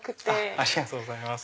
ありがとうございます。